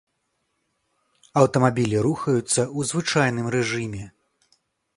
Аўтамабілі рухаюцца ў звычайным рэжыме.